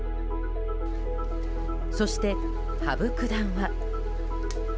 そして、羽生九段は。